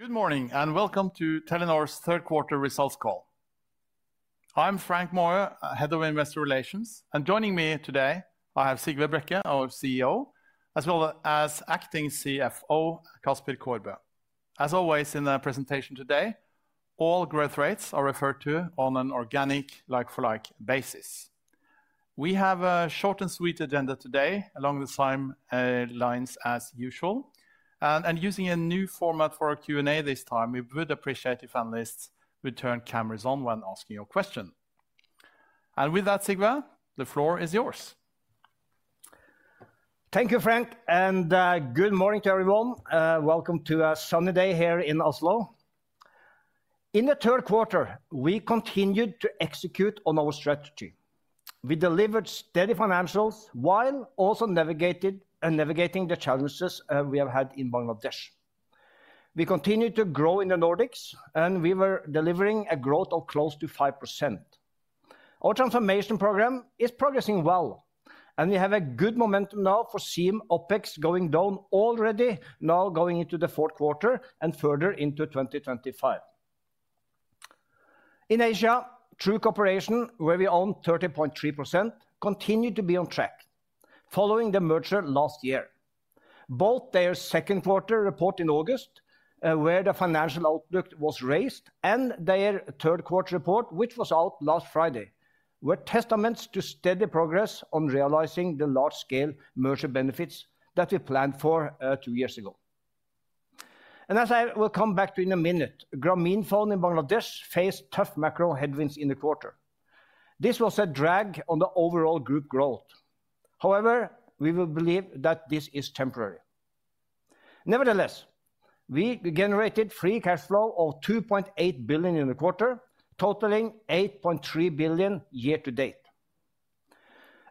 Good morning and welcome to Telenor's third quarter results call. I'm Frank Maaø, Head of Investor Relations, and joining me today I have Sigve Brekke, our CEO, as well as acting CFO, Kasper Kaarbø. As always in the presentation today, all growth rates are referred to on an organic like-for-like basis. We have a short and sweet agenda today, along the same lines as usual, and using a new format for our Q&A this time, we would appreciate it if analysts would turn cameras on when asking your question. And with that, Sigve, the floor is yours. Thank you, Frank, and good morning to everyone. Welcome to a sunny day here in Oslo. In the third quarter, we continued to execute on our strategy. We delivered steady financials while also navigating the challenges we have had in Bangladesh. We continued to grow in the Nordics, and we were delivering a growth of close to 5%. Our transformation program is progressing well, and we have a good momentum now for SIEM OPEX going down already, now going into the fourth quarter and further into 2025. In Asia, True Corporation, where we own 30.3%, continued to be on track following the merger last year. Both their second quarter report in August, where the financial outlook was raised, and their third quarter report, which was out last Friday, were testaments to steady progress on realizing the large-scale merger benefits that we planned for two years ago. As I will come back to in a minute, Grameenphone in Bangladesh faced tough macro headwinds in the quarter. This was a drag on the overall group growth. However, we believe that this is temporary. Nevertheless, we generated free cash flow of 2.8 billion in the quarter, totaling 8.3 billion year to date.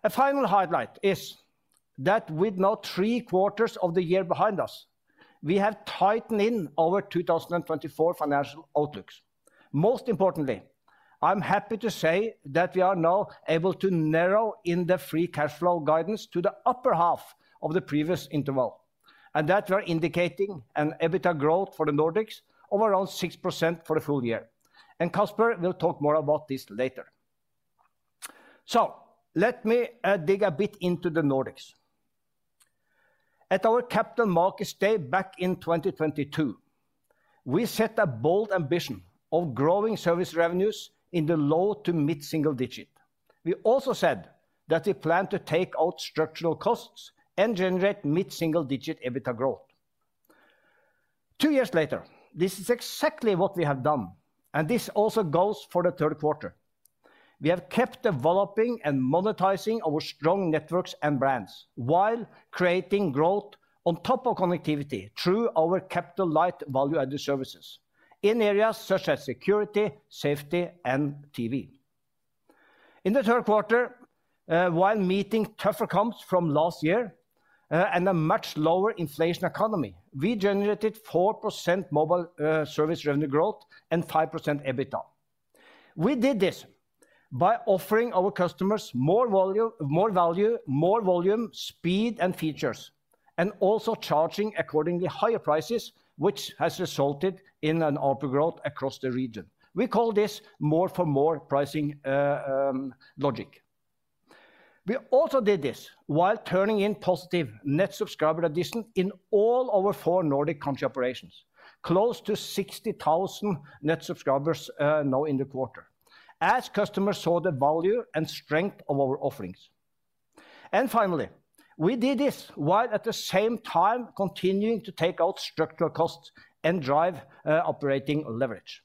A final highlight is that with now three quarters of the year behind us, we have tightened our 2024 financial outlooks. Most importantly, I'm happy to say that we are now able to narrow the free cash flow guidance to the upper half of the previous interval, and that we are indicating an EBITDA growth for the Nordics of around 6% for the full year. Kasper will talk more about this later. Let me dig a bit into the Nordics. At our Capital Markets Day back in 2022, we set a bold ambition of growing service revenues in the low- to mid-single-digit. We also said that we plan to take out structural costs and generate mid-single-digit EBITDA growth. Two years later, this is exactly what we have done, and this also goes for the third quarter. We have kept developing and monetizing our strong networks and brands while creating growth on top of connectivity through our capital-light value-added services in areas such as security, safety, and TV. In the third quarter, while meeting tougher comps from last year and a much lower inflation economy, we generated 4% mobile service revenue growth and 5% EBITDA. We did this by offering our customers more value, more volume, speed, and features, and also charging accordingly higher prices, which has resulted in upward growth across the region. We call this more for more pricing logic. We also did this while turning in positive net subscriber addition in all our four Nordic country operations, close to 60,000 net subscribers now in the quarter, as customers saw the value and strength of our offerings, and finally, we did this while at the same time continuing to take out structural costs and drive operating leverage.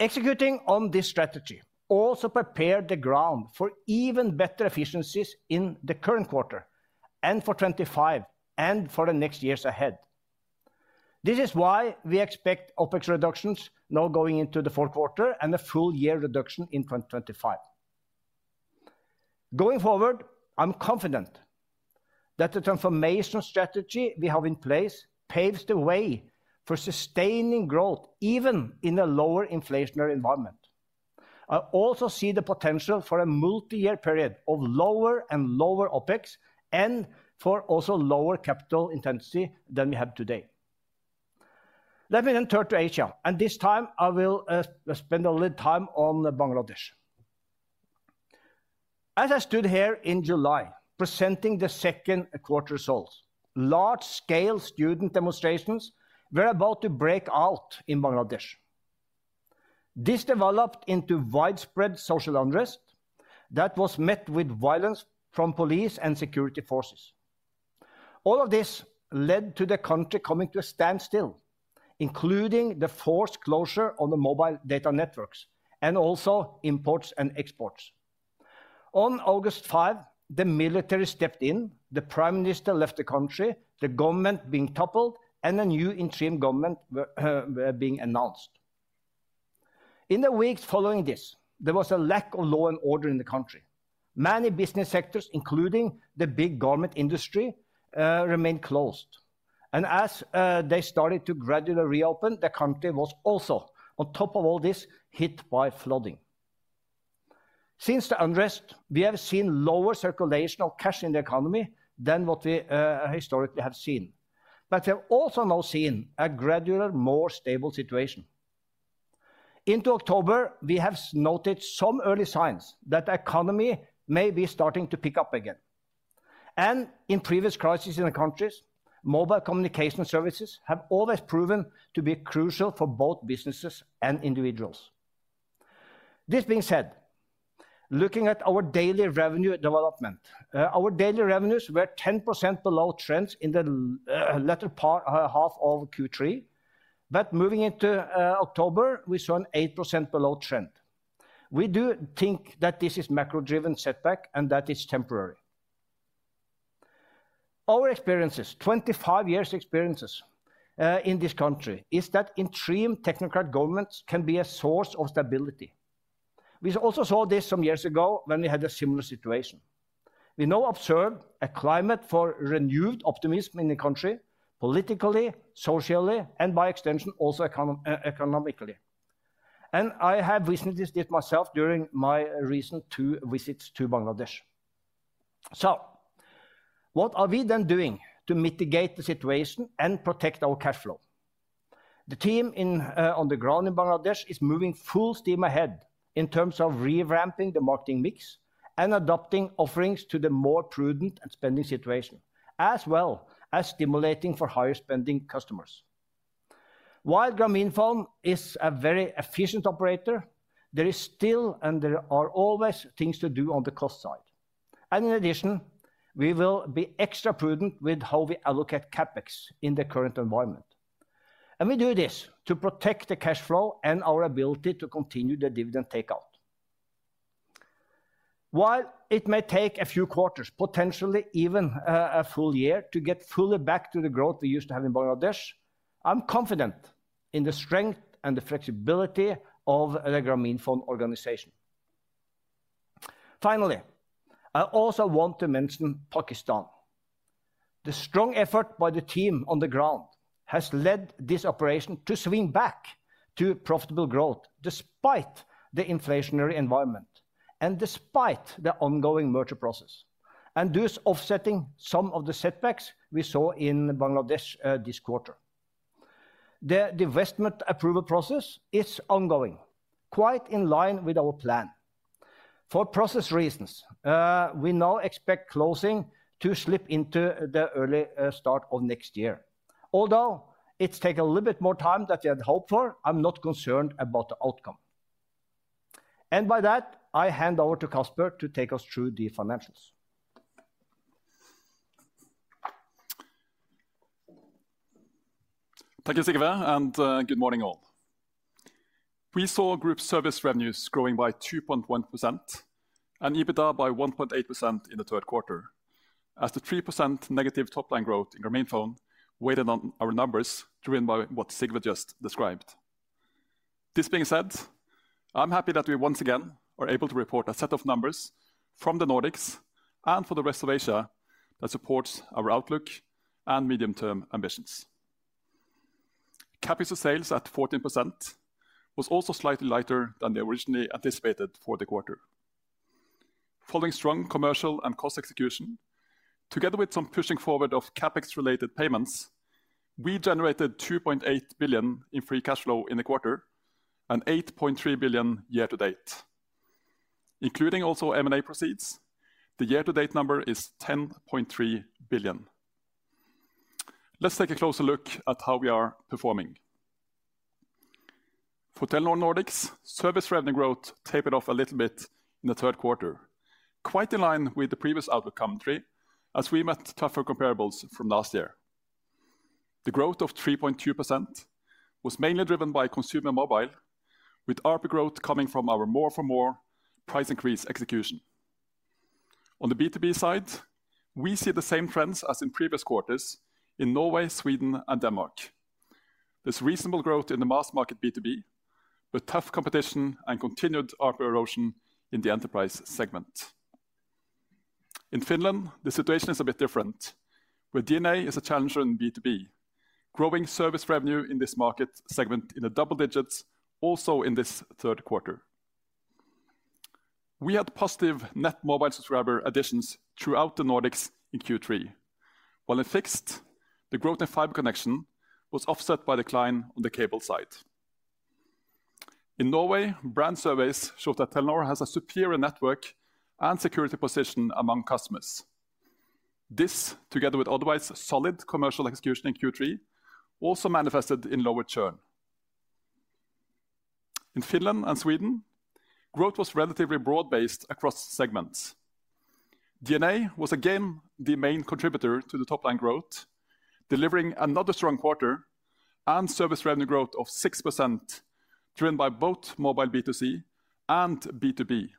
Executing on this strategy also prepared the ground for even better efficiencies in the current quarter and for 2025 and for the next years ahead. This is why we expect OPEX reductions now going into the fourth quarter and a full year reduction in 2025. Going forward, I'm confident that the transformation strategy we have in place paves the way for sustaining growth even in a lower inflationary environment. I also see the potential for a multi-year period of lower and lower OPEX and for also lower capital intensity than we have today. Let me then turn to Asia, and this time I will spend a little time on Bangladesh. As I stood here in July presenting the second quarter results, large-scale student demonstrations were about to break out in Bangladesh. This developed into widespread social unrest that was met with violence from police and security forces. All of this led to the country coming to a standstill, including the forced closure on the mobile data networks and also imports and exports. On August 5, the military stepped in, the Prime Minister left the country, the government being toppled, and a new interim government was being announced. In the weeks following this, there was a lack of law and order in the country. Many business sectors, including the big garment industry, remained closed, and as they started to gradually reopen, the country was also, on top of all this, hit by flooding. Since the unrest, we have seen lower circulation of cash in the economy than what we historically have seen, but we have also now seen a gradually more stable situation. Into October, we have noted some early signs that the economy may be starting to pick up again, and in previous crises in the countries, mobile communication services have always proven to be crucial for both businesses and individuals. This being said, looking at our daily revenue development, our daily revenues were 10% below trends in the latter half of Q3, but moving into October, we saw an 8% below trend. We do think that this is macro-driven setback and that it's temporary. Our experiences, 25 years' experiences in this country, is that interim technocrat governments can be a source of stability. We also saw this some years ago when we had a similar situation. We now observe a climate for renewed optimism in the country, politically, socially, and by extension also economically. And I have recently seen this myself during my recent two visits to Bangladesh. So what are we then doing to mitigate the situation and protect our cash flow? The team on the ground in Bangladesh is moving full steam ahead in terms of revamping the marketing mix and adopting offerings to the more prudent and spending situation, as well as stimulating for higher spending customers. While Grameenphone is a very efficient operator, there is still and there are always things to do on the cost side. In addition, we will be extra prudent with how we allocate CapEx in the current environment. We do this to protect the cash flow and our ability to continue the dividend payout. While it may take a few quarters, potentially even a full year, to get fully back to the growth we used to have in Bangladesh, I'm confident in the strength and the flexibility of the Grameenphone organization. Finally, I also want to mention Pakistan. The strong effort by the team on the ground has led this operation to swing back to profitable growth despite the inflationary environment and despite the ongoing merger process, and thus offsetting some of the setbacks we saw in Bangladesh this quarter. The divestment approval process is ongoing, quite in line with our plan. For process reasons, we now expect closing to slip into the early start of next year. Although it's taken a little bit more time than we had hoped for, I'm not concerned about the outcome, and by that, I hand over to Kasper to take us through the financials. Thank you, Sigve, and good morning all. We saw group service revenues growing by 2.1% and EBITDA by 1.8% in the third quarter, as the 3% negative top-line growth in Grameenphone weighed in on our numbers driven by what Sigve just described. This being said, I'm happy that we once again are able to report a set of numbers from the Nordics and for the rest of Asia that supports our outlook and medium-term ambitions. CapEx to sales at 14% was also slightly lighter than we originally anticipated for the quarter. Following strong commercial and cost execution, together with some pushing forward of CapEx-related payments, we generated 2.8 billion in free cash flow in the quarter and 8.3 billion year to date. Including also M&A proceeds, the year-to-date number is 10.3 billion. Let's take a closer look at how we are performing. For Telenor Nordics, service revenue growth tapered off a little bit in the third quarter, quite in line with the previous outlook commentary as we met tougher comparables from last year. The growth of 3.2% was mainly driven by consumer mobile, with ARPU growth coming from our more for more price increase execution. On the B2B side, we see the same trends as in previous quarters in Norway, Sweden, and Denmark. There's reasonable growth in the mass market B2B, but tough competition and continued ARPU erosion in the enterprise segment. In Finland, the situation is a bit different, where DNA is a challenger in B2B, growing service revenue in this market segment in the double digits also in this third quarter. We had positive net mobile subscriber additions throughout the Nordics in Q3, while in fixed, the growth in fiber connection was offset by decline on the cable side. In Norway, brand surveys show that Telenor has a superior network and security position among customers. This, together with otherwise solid commercial execution in Q3, also manifested in lower churn. In Finland and Sweden, growth was relatively broad-based across segments. DNA was again the main contributor to the top-line growth, delivering another strong quarter and service revenue growth of 6% driven by both mobile B2C and B2B.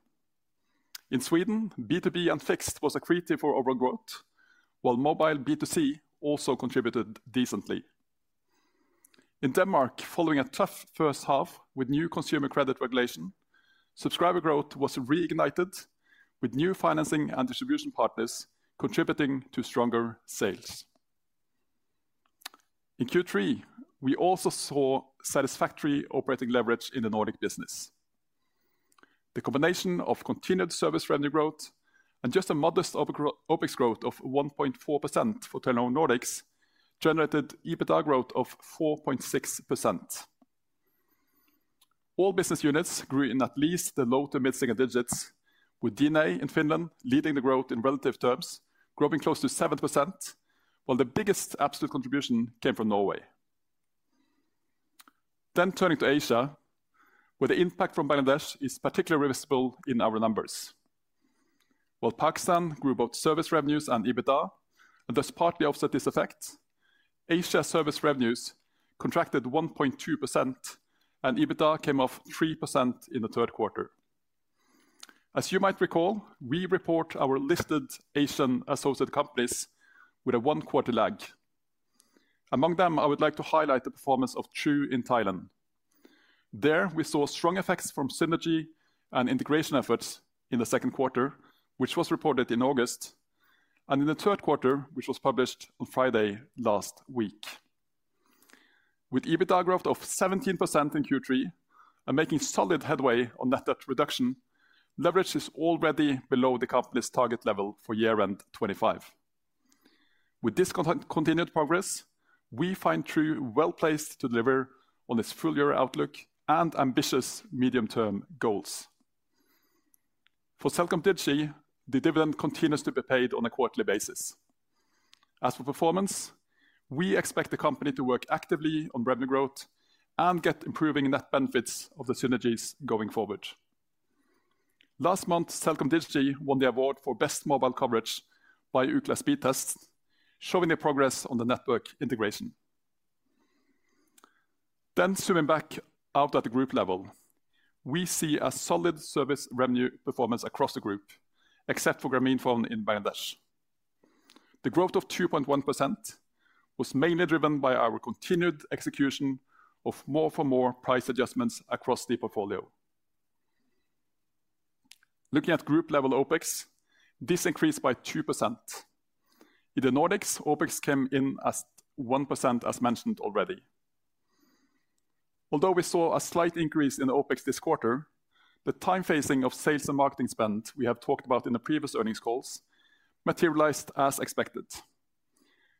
In Sweden, B2B and fixed was critical for growth, while mobile B2C also contributed decently. In Denmark, following a tough H1 with new consumer credit regulation, subscriber growth was reignited with new financing and distribution partners contributing to stronger sales. In Q3, we also saw satisfactory operating leverage in the Nordic business. The combination of continued service revenue growth and just a modest OPEX growth of 1.4% for Telenor Nordics generated EBITDA growth of 4.6%. All business units grew in at least the low to mid-single digits, with DNA in Finland leading the growth in relative terms, growing close to 7%, while the biggest absolute contribution came from Norway. Then turning to Asia, where the impact from Bangladesh is particularly visible in our numbers. While Pakistan grew both service revenues and EBITDA, and thus partly offset this effect, Asia service revenues contracted 1.2% and EBITDA came off 3% in the third quarter. As you might recall, we report our listed Asian associate companies with a one-quarter lag. Among them, I would like to highlight the performance of True in Thailand. There, we saw strong effects from synergy and integration efforts in the second quarter, which was reported in August, and in the third quarter, which was published on Friday last week. With EBITDA growth of 17% in Q3 and making solid headway on net debt reduction, leverage is already below the company's target level for year-end 2025. With this continued progress, we find True well-placed to deliver on its full-year outlook and ambitious medium-term goals. For CelcomDigi, the dividend continues to be paid on a quarterly basis. As for performance, we expect the company to work actively on revenue growth and get improving net benefits of the synergies going forward. Last month, CelcomDigi won the award for best mobile coverage by Ookla Speedtest, showing their progress on the network integration. Then, zooming back out at the group level, we see a solid service revenue performance across the group, except for Grameenphone in Bangladesh. The growth of 2.1% was mainly driven by our continued execution of more for more price adjustments across the portfolio. Looking at group-level OPEX, this increased by 2%. In the Nordics, OPEX came in at 1%, as mentioned already. Although we saw a slight increase in OPEX this quarter, the time phasing of sales and marketing spend we have talked about in the previous earnings calls materialized as expected.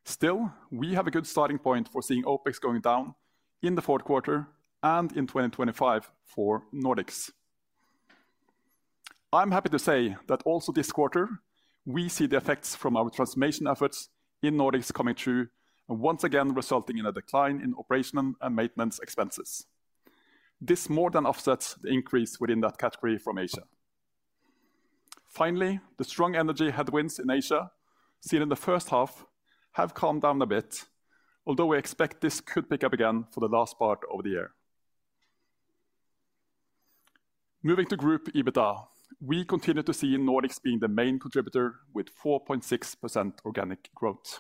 Still, we have a good starting point for seeing OPEX going down in the fourth quarter and in 2025 for Nordics. I'm happy to say that also this quarter, we see the effects from our transformation efforts in Nordics coming true and once again resulting in a decline in operational and maintenance expenses. This more than offsets the increase within that category from Asia. Finally, the strong energy headwinds in Asia seen in the H1 have calmed down a bit, although we expect this could pick up again for the last part of the year. Moving to group EBITDA, we continue to see Nordics being the main contributor with 4.6% organic growth.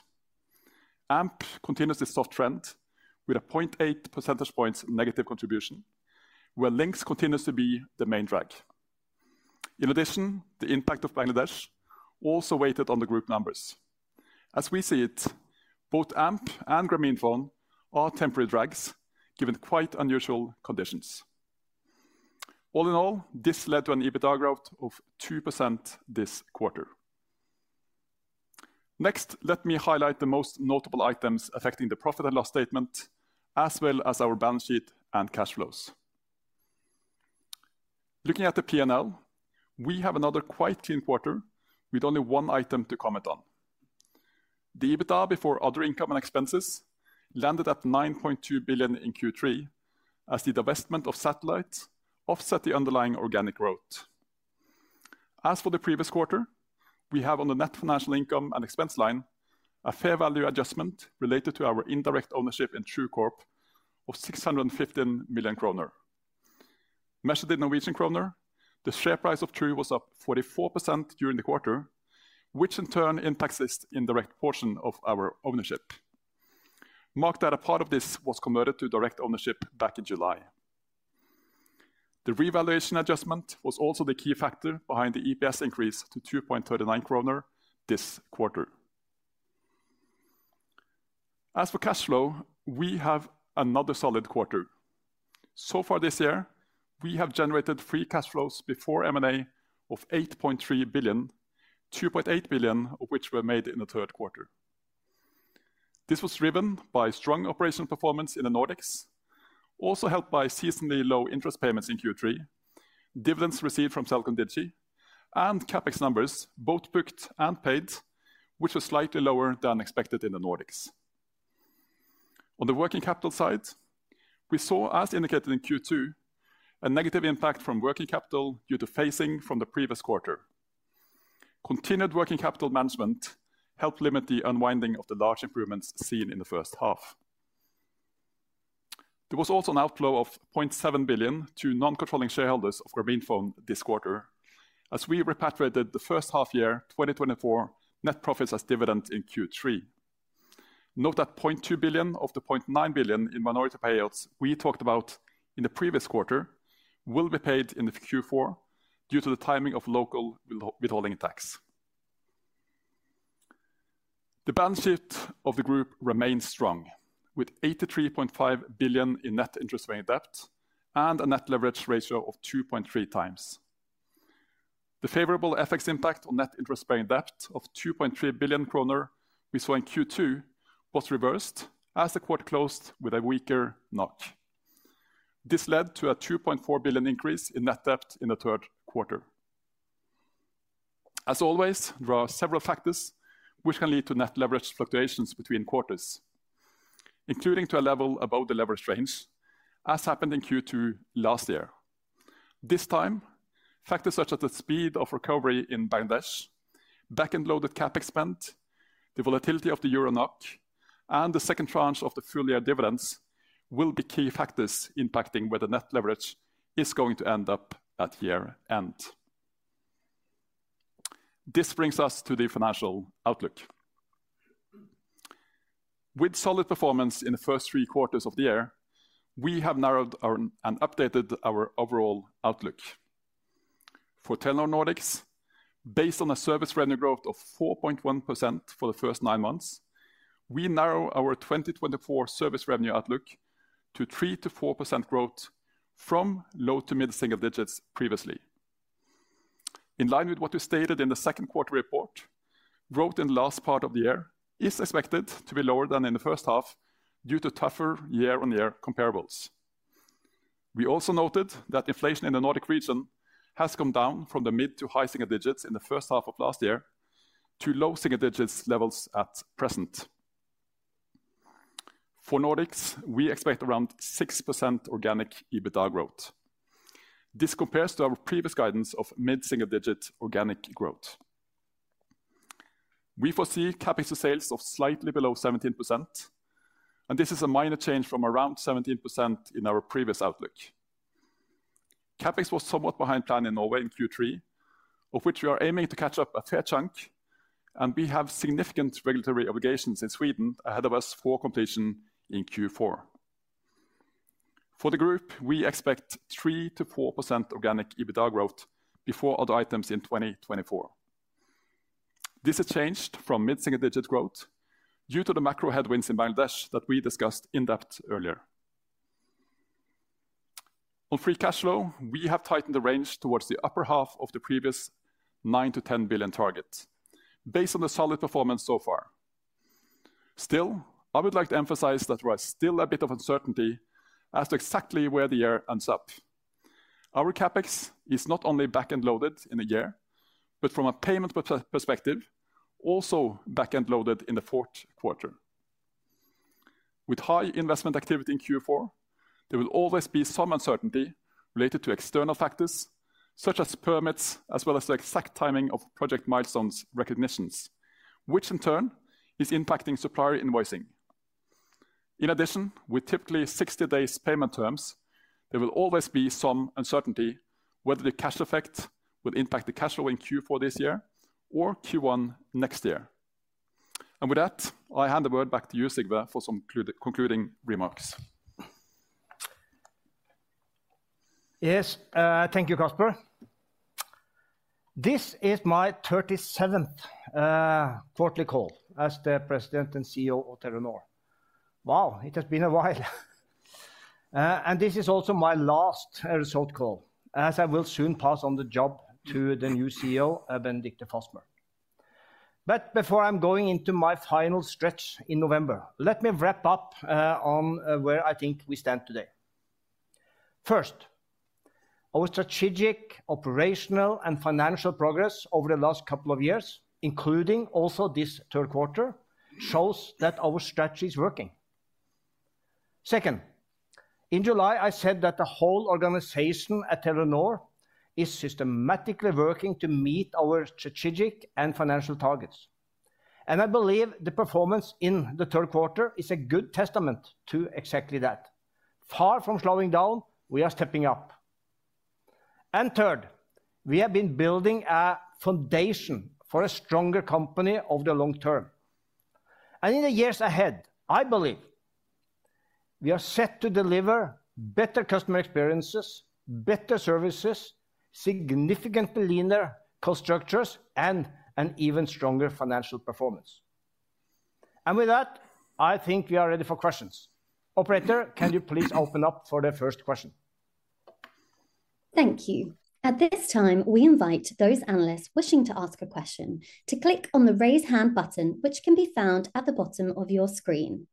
Amp continues this soft trend with a 0.8 percentage points negative contribution, where Linx continues to be the main drag. In addition, the impact of Bangladesh also weighed on the group numbers. As we see it, both Amp and Grameenphone are temporary drags given quite unusual conditions. All in all, this led to an EBITDA growth of 2% this quarter. Next, let me highlight the most notable items affecting the profit and loss statement, as well as our balance sheet and cash flows. Looking at the P&L, we have another quite clean quarter with only one item to comment on. The EBITDA before other income and expenses landed at 9.2 billion in Q3, as the divestment of satellites offset the underlying organic growth. As for the previous quarter, we have on the net financial income and expense line a fair value adjustment related to our indirect ownership in True Corp of 615 million kroner. Measured in NOK, the share price of True was up 44% during the quarter, which in turn impacts this indirect portion of our ownership. Note that a part of this was converted to direct ownership back in July. The revaluation adjustment was also the key factor behind the EPS increase to 2.39 kroner this quarter. As for cash flow, we have another solid quarter. So far this year, we have generated free cash flows before M&A of 8.3 billion, 2.8 billion of which were made in the third quarter. This was driven by strong operational performance in the Nordics, also helped by seasonally low interest payments in Q3, dividends received from CelcomDigi, and CapEx numbers, both booked and paid, which was slightly lower than expected in the Nordics. On the working capital side, we saw, as indicated in Q2, a negative impact from working capital due to phasing from the previous quarter. Continued working capital management helped limit the unwinding of the large improvements seen in the H1. There was also an outflow of 0.7 billion to non-controlling shareholders of Grameenphone this quarter, as we repatriated the H1-year 2024 net profits as dividends in Q3. Note that 0.2 billion of the 0.9 billion in minority payouts we talked about in the previous quarter will be paid in Q4 due to the timing of local withholding tax. The balance sheet of the group remains strong, with 83.5 billion in net interest-bearing debt and a net leverage ratio of 2.3 times. The favorable FX impact on net interest-bearing debt of 2.3 billion kroner we saw in Q2 was reversed as the quarter closed with a weaker NOK. This led to a 2.4 billion increase in net debt in the third quarter. As always, there are several factors which can lead to net leverage fluctuations between quarters, including to a level above the leverage range, as happened in Q2 last year. This time, factors such as the speed of recovery in Bangladesh, back-end-loaded CapEx spent, the volatility of the euro-NOK, and the second tranche of the full-year dividends will be key factors impacting whether net leverage is going to end up at year-end. This brings us to the financial outlook. With solid performance in the first three quarters of the year, we have narrowed and updated our overall outlook. For Telenor Nordics, based on a service revenue growth of 4.1% for the first nine months, we narrow our 2024 service revenue outlook to 3-4% growth from low to mid-single digits previously. In line with what we stated in the second quarter report, growth in the last part of the year is expected to be lower than in the H1 due to tougher year-on-year comparables. We also noted that inflation in the Nordic region has come down from the mid to high single digits in the H1 of last year to low single digits levels at present. For Nordics, we expect around 6% organic EBITDA growth. This compares to our previous guidance of mid-single digit organic growth. We foresee CapEx to sales of slightly below 17%, and this is a minor change from around 17% in our previous outlook. CapEx was somewhat behind plan in Norway in Q3, of which we are aiming to catch up a fair chunk, and we have significant regulatory obligations in Sweden ahead of us for completion in Q4. For the group, we expect 3-4% organic EBITDA growth before other items in 2024. This has changed from mid-single digit growth due to the macro headwinds in Bangladesh that we discussed in depth earlier. On free cash flow, we have tightened the range towards the upper half of the previous 9-10 billion target, based on the solid performance so far. Still, I would like to emphasize that there is still a bit of uncertainty as to exactly where the year ends up. Our CapEx is not only back-end-loaded in the year, but from a payment perspective, also back-end-loaded in the fourth quarter. With high investment activity in Q4, there will always be some uncertainty related to external factors such as permits, as well as the exact timing of project milestones recognitions, which in turn is impacting supplier invoicing. In addition, with typically 60-day payment terms, there will always be some uncertainty whether the cash effect will impact the cash flow in Q4 this year or Q1 next year. And with that, I hand the word back to you, Sigve, for some concluding remarks. Yes, thank you, Kasper. This is my 37th quarterly call as the President and CEO of Telenor. Wow, it has been a while. And this is also my last result call, as I will soon pass on the job to the new CEO, Benedicte Fasmer. But before I'm going into my final stretch in November, let me wrap up on where I think we stand today. First, our strategic, operational, and financial progress over the last couple of years, including also this third quarter, shows that our strategy is working. Second, in July, I said that the whole organization at Telenor is systematically working to meet our strategic and financial targets. And I believe the performance in the third quarter is a good testament to exactly that. Far from slowing down, we are stepping up. And third, we have been building a foundation for a stronger company over the long term. And in the years ahead, I believe we are set to deliver better customer experiences, better services, significantly leaner cost structures, and an even stronger financial performance. And with that, I think we are ready for questions. Operator, can you please open up for the first question? Thank you. At this time, we invite those analysts wishing to ask a question to click on the raise hand button, which can be found at the bottom of your screen.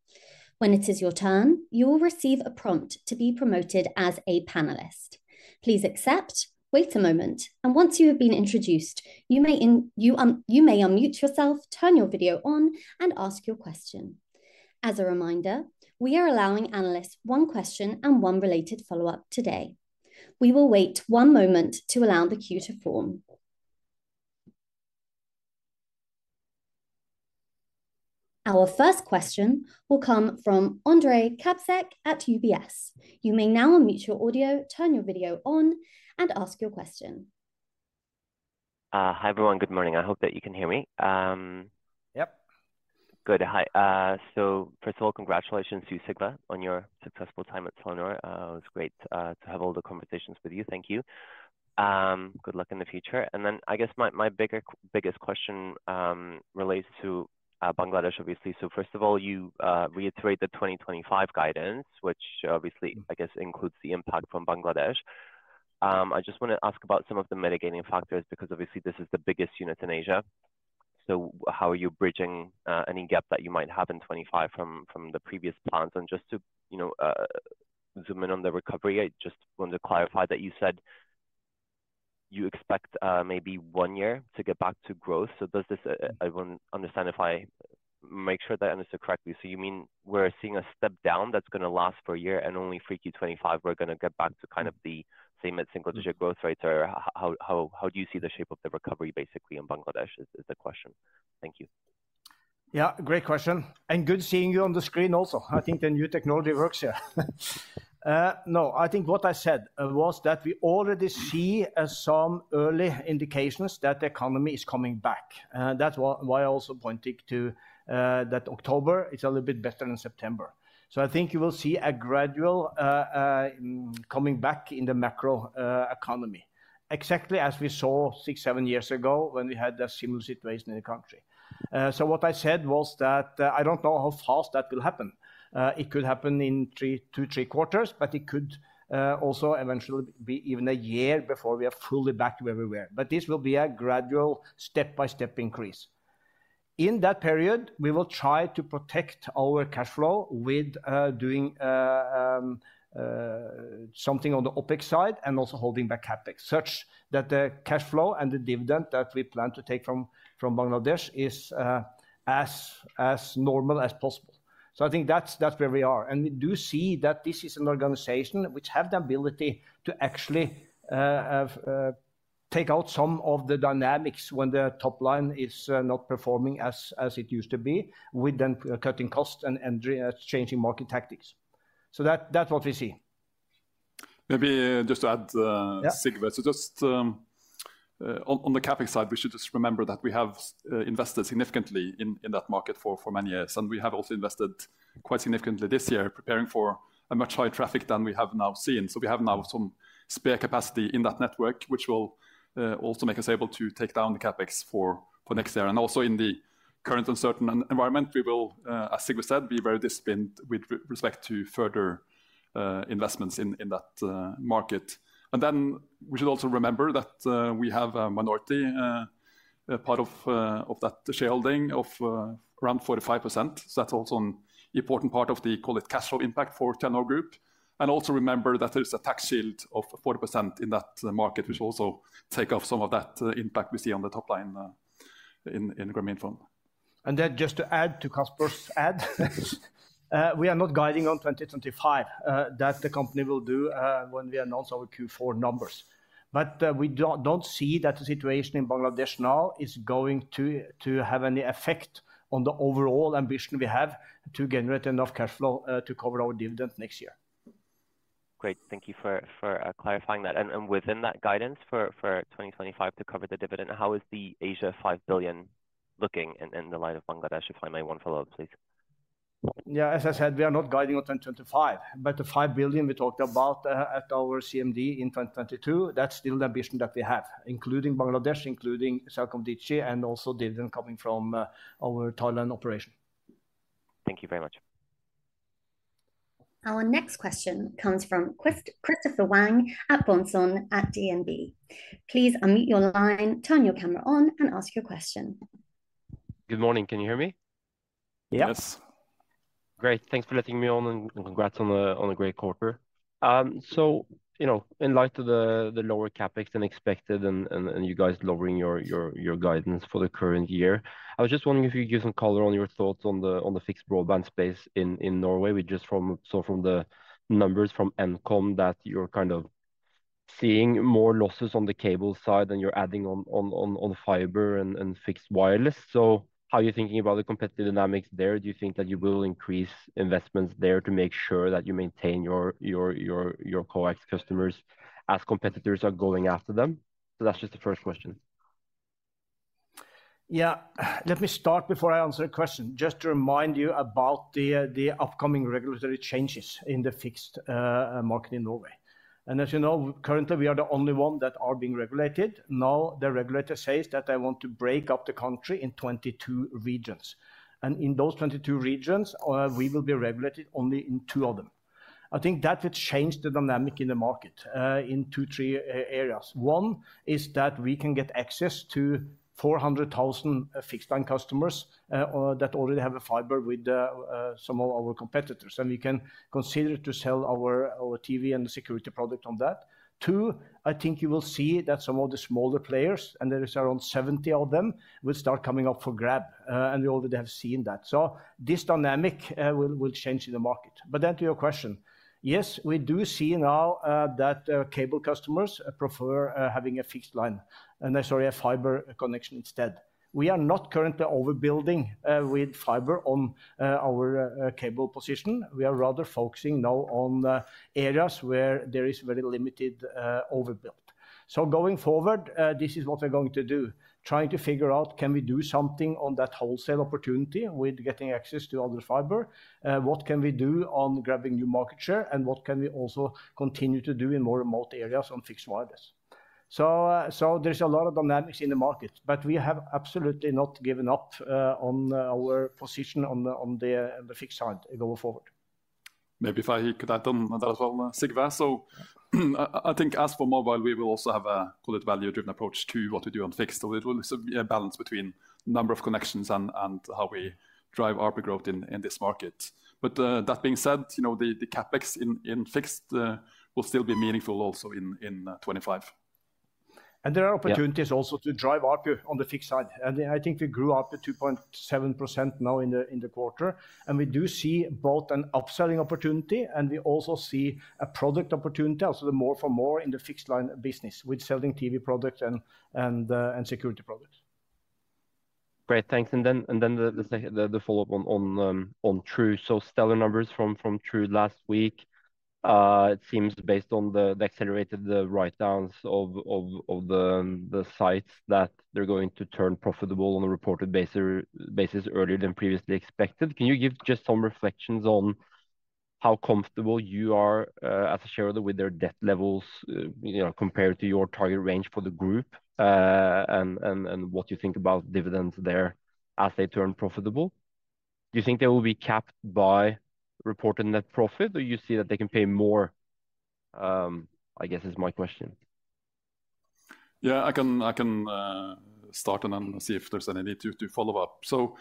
When it is your turn, you will receive a prompt to be promoted as a panelist. Please accept, wait a moment, and once you have been introduced, you may unmute yourself, turn your video on, and ask your question. As a reminder, we are allowing analysts one question and one related follow-up today. We will wait one moment to allow the queue to form. Our first question will come from Ondrej Cabejsek at UBS. You may now unmute your audio, turn your video on, and ask your question. Hi everyone, good morning. I hope that you can hear me. Yep. Good, hi. So first of all, congratulations to you, Sigve, on your successful time at Telenor. It was great to have all the conversations with you. Thank you. Good luck in the future. And then I guess my biggest question relates to Bangladesh, obviously. So first of all, you reiterate the 2025 guidance, which obviously, I guess, includes the impact from Bangladesh. I just want to ask about some of the mitigating factors because obviously this is the biggest unit in Asia. So how are you bridging any gap that you might have in 2025 from the previous plans? And just to zoom in on the recovery, I just want to clarify that you said you expect maybe one year to get back to growth. So does this—I want to understand if I make sure that I understood correctly. So you mean we're seeing a step down that's going to last for a year and only for Q25 we're going to get back to kind of the same single-digit growth rate? Or how do you see the shape of the recovery? Basically in Bangladesh is the question. Thank you. Yeah, great question. And good seeing you on the screen also. I think the new technology works here. No, I think what I said was that we already see some early indications that the economy is coming back. That's why I also pointed to that October is a little bit better than September. So I think you will see a gradual coming back in the macro economy, exactly as we saw six, seven years ago when we had that similar situation in the country. So what I said was that I don't know how fast that will happen. It could happen in two or three quarters, but it could also eventually be even a year before we are fully back to where we were, but this will be a gradual step-by-step increase. In that period, we will try to protect our cash flow with doing something on the OPEX side and also holding back CapEx such that the cash flow and the dividend that we plan to take from Bangladesh is as normal as possible, so I think that's where we are and we do see that this is an organization which has the ability to actually take out some of the dynamics when the top line is not performing as it used to be with then cutting costs and changing market tactics, so that's what we see. Maybe just to add, Sigve, so just on the CapEx side, we should just remember that we have invested significantly in that market for many years. And we have also invested quite significantly this year preparing for a much higher traffic than we have now seen. So we have now some spare capacity in that network, which will also make us able to take down the CapEx for next year. And also in the current uncertain environment, we will, as Sigve said, be very disciplined with respect to further investments in that market. And then we should also remember that we have a minority part of that shareholding of around 45%. So that's also an important part of the, call it, cash flow impact for Telenor Group. Also remember that there is a tax shield of 40% in that market, which will also take off some of that impact we see on the top line in Grameenphone. Then just to add to Kasper's add, we are not guiding on 2025 that the company will do when we announce our Q4 numbers. But we don't see that the situation in Bangladesh now is going to have any effect on the overall ambition we have to generate enough cash flow to cover our dividend next year. Great, thank you for clarifying that. Within that guidance for 2025 to cover the dividend, how is the Asia $5 billion looking in the light of Bangladesh? If I may, one follow-up, please. Yeah, as I said, we are not guiding on 2025, but the 5 billion we talked about at our CMD in 2022, that's still the ambition that we have, including Bangladesh, including CelcomDigi, and also dividend coming from our Thailand operation. Thank you very much. Our next question comes from Christoffer Wang Bjørnsen at DNB Markets. Please unmute your line, turn your camera on, and ask your question. Good morning, can you hear me? Yes. Great, thanks for letting me on and congrats on the great quarter. So, you know, in light of the lower CapEx than expected and you guys lowering your guidance for the current year, I was just wondering if you could give some color on your thoughts on the fixed broadband space in Norway. We just saw from the numbers from Nkom that you're kind of seeing more losses on the cable side than you're adding on the fiber and fixed wireless. So how are you thinking about the competitive dynamics there? Do you think that you will increase investments there to make sure that you maintain your coax customers as competitors are going after them? So that's just the first question. Yeah, let me start before I answer the question. Just to remind you about the upcoming regulatory changes in the fixed market in Norway. And as you know, currently we are the only ones that are being regulated. Now the regulator says that they want to break up the country into 22 regions. And in those 22 regions, we will be regulated only in two of them. I think that would change the dynamic in the market in two, three areas. One is that we can get access to 400,000 fixed line customers that already have a fiber with some of our competitors. And we can consider to sell our TV and the security product on that. Two, I think you will see that some of the smaller players, and there are around 70 of them, will start coming up for grabs. And we already have seen that. So this dynamic will change in the market. But then to your question, yes, we do see now that cable customers prefer having a fixed line and, sorry, a fiber connection instead. We are not currently overbuilding with fiber on our cable position. We are rather focusing now on areas where there is very limited overbuild. So going forward, this is what we're going to do, trying to figure out can we do something on that wholesale opportunity with getting access to other fiber, what can we do on grabbing new market share, and what can we also continue to do in more remote areas on fixed wireless. So there is a lot of dynamics in the market, but we have absolutely not given up on our position on the fixed side going forward. Maybe if I could add on that as well, Sigve. So I think as for mobile, we will also have a value-driven approach to what we do on fixed. So it will be a balance between the number of connections and how we drive ARPU growth in this market. But that being said, you know, the CapEx in fixed will still be meaningful also in 2025. There are opportunities also to drive ARPU on the fixed side. I think we grew ARPU 2.7% now in the quarter. We do see both an upselling opportunity, and we also see a product opportunity, also the more for more in the fixed line business with selling TV products and security products. Great, thanks. Then the follow-up on True. Stellar numbers from True last week. It seems based on the accelerated write-downs of the sites that they're going to turn profitable on a reported basis earlier than previously expected. Can you give just some reflections on how comfortable you are as a shareholder with their debt levels compared to your target range for the group and what you think about dividends there as they turn profitable? Do you think they will be capped by reported net profit, or do you see that they can pay more? I guess is my question. Yeah, I can start and then see if there's any need to follow up. So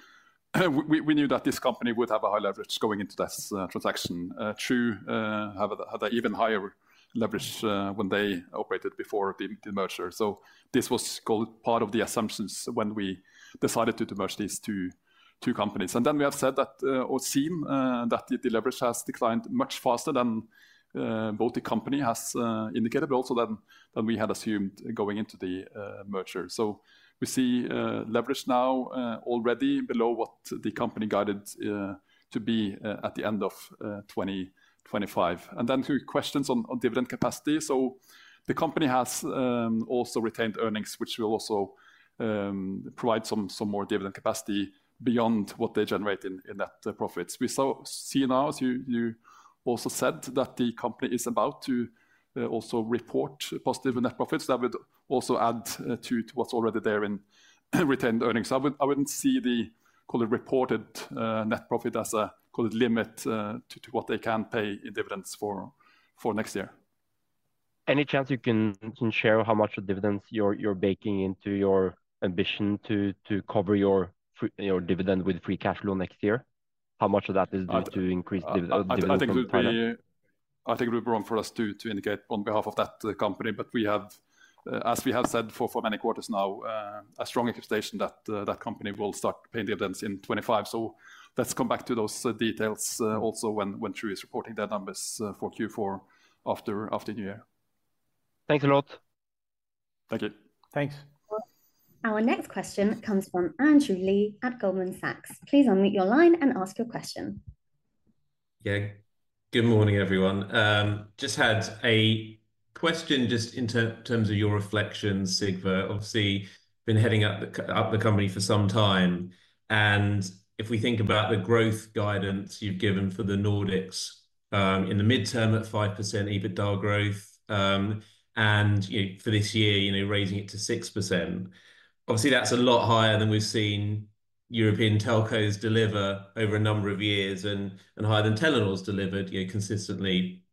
we knew that this company would have a high leverage going into this transaction. True had an even higher leverage when they operated before the merger. So this was called part of the assumptions when we decided to merge these two companies. And then we have said that or seen that the leverage has declined much faster than both the company has indicated, but also than we had assumed going into the merger. So we see leverage now already below what the company guided to be at the end of 2025. And then two questions on dividend capacity. The company has also retained earnings, which will also provide some more dividend capacity beyond what they generate in net profits. We see now, as you also said, that the company is about to also report positive net profits that would also add to what's already there in retained earnings. I wouldn't see the reported net profit as a limit to what they can pay individends for next year. Any chance you can share how much of dividends you're baking into your ambition to cover your dividend with free cash flow next year? How much of that is due to increase dividend? I think it would be wrong for us to indicate on behalf of that company. But we have, as we have said for many quarters now, a strong expectation that that company will start paying dividends in 2025. So let's come back to those details also when True is reporting their numbers for Q4 after New Year. Thanks a lot. Thank you. Thanks. Our next question comes from Andrew Lee at Goldman Sachs. Please unmute your line and ask your question. Yeah, good morning, everyone. Just had a question just in terms of your reflections, Sigve. Obviously, been heading up the company for some time. And if we think about the growth guidance you've given for the Nordics in the midterm at 5% EBITDA growth and for this year, you know, raising it to 6%, obviously that's a lot higher than we've seen European telcos deliver over a number of years and higher than Telenor's delivered consistently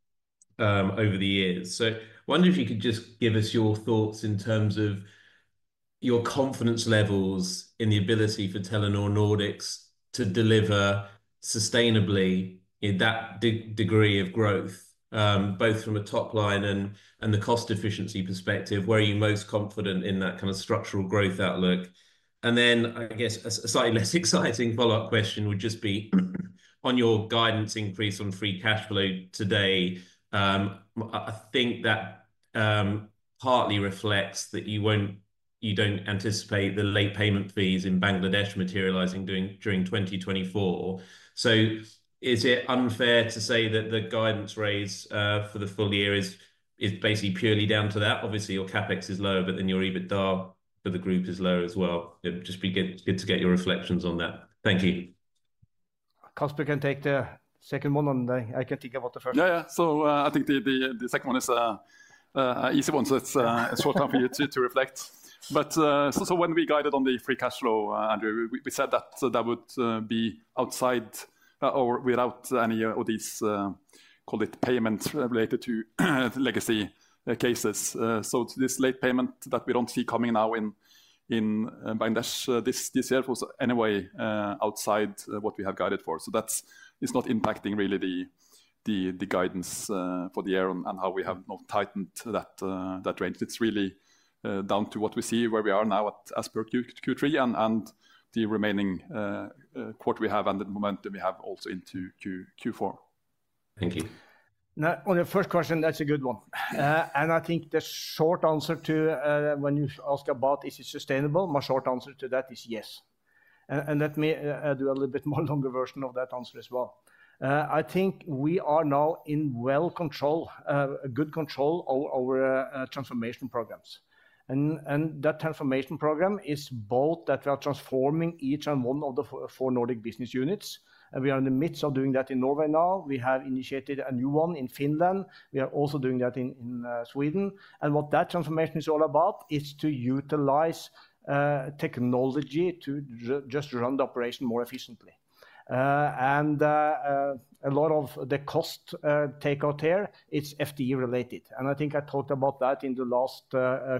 over the years. So I wonder if you could just give us your thoughts in terms of your confidence levels in the ability for Telenor Nordics to deliver sustainably that degree of growth, both from a top line and the cost efficiency perspective. Where are you most confident in that kind of structural growth outlook? And then I guess a slightly less exciting follow-up question would just be on your guidance increase on free cash flow today. I think that partly reflects that you don't anticipate the late payment fees in Bangladesh materializing during 2024. So is it unfair to say that the guidance raise for the full year is basically purely down to that? Obviously, your CapEx is lower, but then your EBITDA for the group is lower as well. It'd just be good to get your reflections on that. Thank you. Kasper can take the second one, and I can think about the first one. Yeah, yeah. So I think the second one is an easy one. So it's a short time for you to reflect. But so when we guided on the free cash flow, Andrew, we said that that would be outside or without any of these, call it, payments related to legacy cases. So this late payment that we don't see coming now in Bangladesh this year was anyway outside what we have guided for. So that's not impacting really the guidance for the year and how we have tightened that range. It's really down to what we see where we are now at as per Q3 and the remaining quarter we have and the momentum we have also into Q4. Thank you. Now, on your first question, that's a good one. I think the short answer to when you ask about is it sustainable is yes. Let me do a little bit more longer version of that answer as well. I think we are now in well control, good control over transformation programs. That transformation program is both that we are transforming each and one of the four Nordic business units. We are in the midst of doing that in Norway now. We have initiated a new one in Finland. We are also doing that in Sweden. What that transformation is all about is to utilize technology to just run the operation more efficiently. A lot of the cost takeout here is FTE related. And I think I talked about that in the last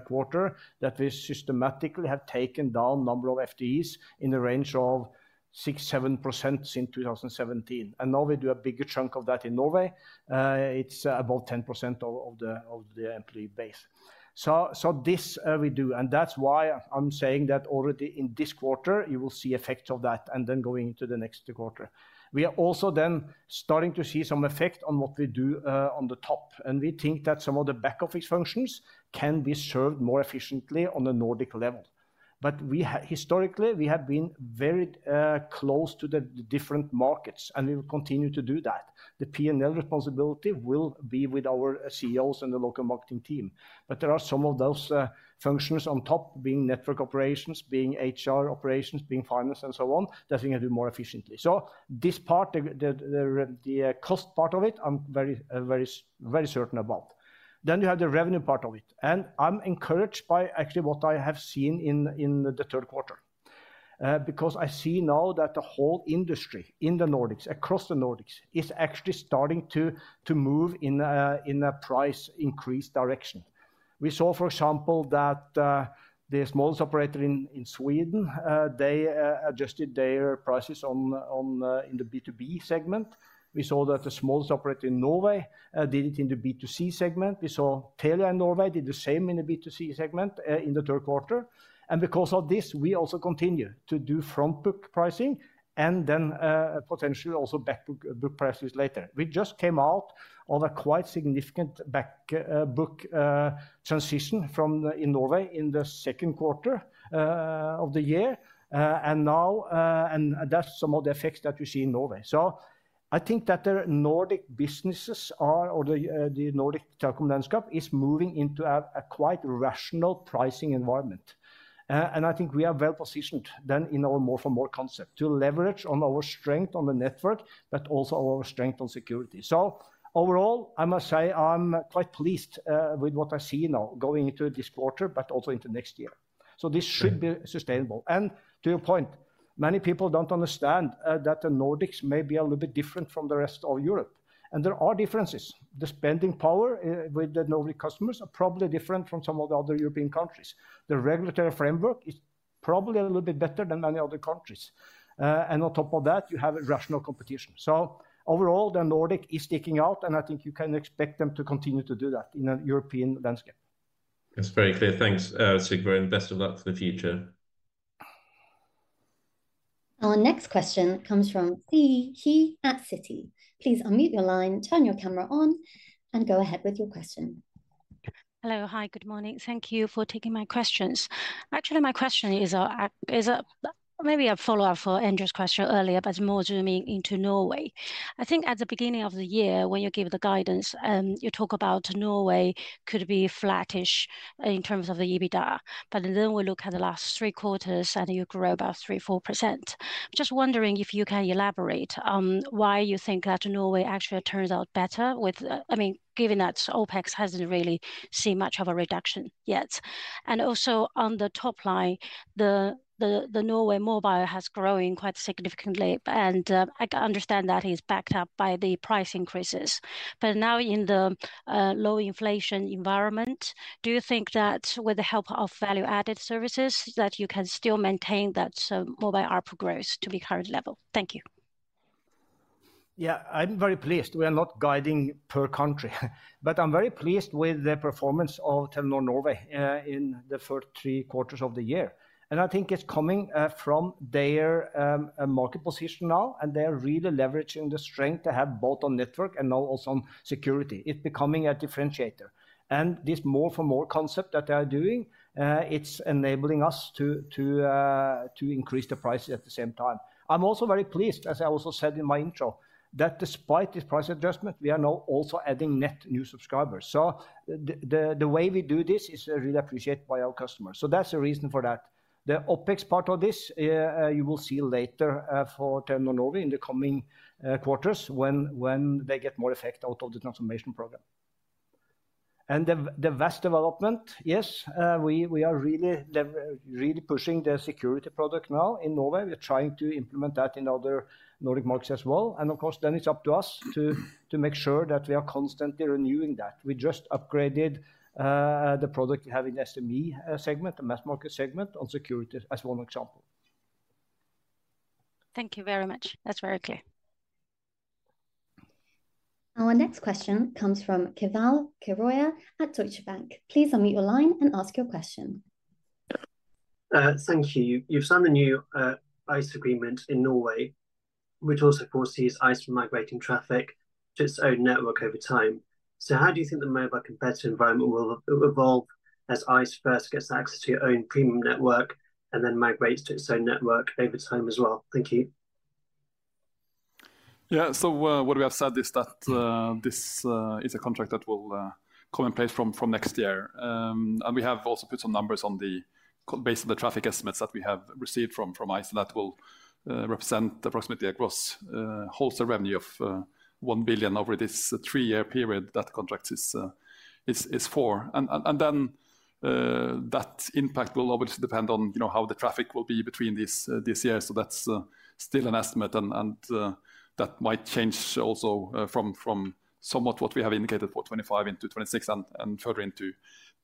quarter that we systematically have taken down a number of FTEs in the range of 6%-7% since 2017. And now we do a bigger chunk of that in Norway. It's about 10% of the employee base. So this we do. And that's why I'm saying that already in this quarter, you will see effects of that and then going into the next quarter. We are also then starting to see some effect on what we do on the top. And we think that some of the back office functions can be served more efficiently on the Nordic level. But historically, we have been very close to the different markets, and we will continue to do that. The P&L responsibility will be with our CEOs and the local marketing team. But there are some of those functions on top, being network operations, being HR operations, being finance, and so on, that we can do more efficiently, so this part, the cost part of it, I'm very, very, very certain about, then you have the revenue part of it, and I'm encouraged by actually what I have seen in the third quarter, because I see now that the whole industry in the Nordics, across the Nordics, is actually starting to move in a price increase direction. We saw, for example, that the smallest operator in Sweden, they adjusted their prices in the B2B segment. We saw that the smallest operator in Norway did it in the B2C segment. We saw Telia in Norway did the same in the B2C segment in the third quarter. Because of this, we also continue to do front book pricing and then potentially also back book prices later. We just came out of a quite significant back book transition from in Norway in the second quarter of the year. Now, that's some of the effects that we see in Norway. I think that the Nordic businesses or the Nordic telecom landscape is moving into a quite rational pricing environment. I think we are well positioned then in our more for more concept to leverage on our strength on the network, but also our strength on security. Overall, I must say I'm quite pleased with what I see now going into this quarter, but also into next year. This should be sustainable. And to your point, many people don't understand that the Nordics may be a little bit different from the rest of Europe. And there are differences. The spending power with the Nordic customers are probably different from some of the other European countries. The regulatory framework is probably a little bit better than many other countries. And on top of that, you have rational competition. So overall, the Nordic is sticking out, and I think you can expect them to continue to do that in a European landscape. That's very clear. Thanks, Sigve. Best of luck for the future. Our next question comes from Siyi He at Citi. Please unmute your line, turn your camera on, and go ahead with your question. Hello. Hi. Good morning. Thank you for taking my questions. Actually, my question is maybe a follow-up for Andrew's question earlier, but more zooming into Norway. I think at the beginning of the year, when you give the guidance, you talk about Norway could be flattish in terms of the EBITDA. But then we look at the last three quarters, I think you grew about 3%-4%. Just wondering if you can elaborate on why you think that Norway actually turns out better with, I mean, given that OPEX hasn't really seen much of a reduction yet. And also on the top line, the Norway mobile has grown quite significantly, and I understand that is backed up by the price increases. But now in the low inflation environment, do you think that with the help of value-added services that you can still maintain that mobile ARPU growth to be current level? Thank you. Yeah, I'm very pleased. We are not guiding per country, but I'm very pleased with the performance of Telenor Norway in the first three quarters of the year, and I think it's coming from their market position now, and they are really leveraging the strength they have both on network and now also on security. It's becoming a differentiator, and this more for more concept that they are doing, it's enabling us to increase the price at the same time. I'm also very pleased, as I also said in my intro, that despite this price adjustment, we are now also adding net new subscribers, so the way we do this is really appreciated by our customers, so that's the reason for that. The OPEX part of this, you will see later for Telenor Norway in the coming quarters when they get more effect out of the transformation program. And the vast development, yes, we are really pushing the security product now in Norway. We're trying to implement that in other Nordic markets as well. And of course, then it's up to us to make sure that we are constantly renewing that. We just upgraded the product having SME segment, the mass market segment on security as one example. Thank you very much. That's very clear. Our next question comes from Keval Khiroya at Deutsche Bank. Please unmute your line and ask your question. Thank you. You've signed a new ICE agreement in Norway, which also foresees ICE migrating traffic to its own network over time. So how do you think the mobile competitive environment will evolve as ICE first gets access to your own premium network and then migrates to its own network over time as well? Thank you. Yeah, so what we have said is that this is a contract that will come in place from next year. And we have also put some numbers on the basis of the traffic estimates that we have received from ICE that will represent approximately NOK 1 billion across wholesale revenue over this three-year period that the contract is for. And then that impact will obviously depend on how the traffic will be between this year. So that's still an estimate, and that might change also from somewhat what we have indicated for 2025 into 2026 and further into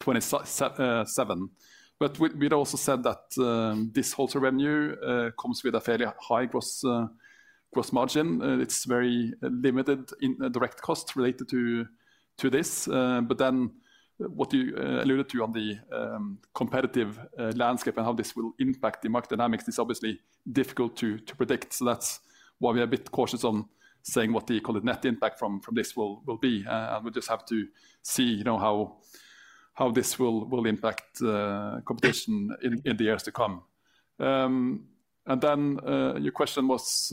2027. But we'd also said that this wholesale revenue comes with a fairly high gross margin. It's very limited in direct costs related to this. But then what you alluded to on the competitive landscape and how this will impact the market dynamics is obviously difficult to predict. So that's why we are a bit cautious on saying what the net impact from this will be. And we'll just have to see how this will impact competition in the years to come. And then your question was,